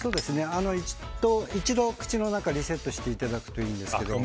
一度、口の中をリセットしていただくといいんですけど。